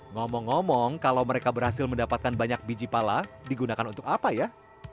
ngomong ngomong kalau mereka berhasil mendapatkan banyak biji pala digunakan untuk apa ya